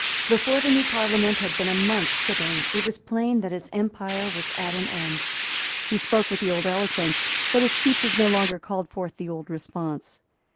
Before the new Parliament had been a month sitting it was plain that his empire was at an end. He spoke with the old eloquence; but his speeches no longer called forth the old response.